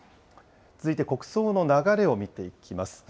続いて国葬の流れを見ていきます。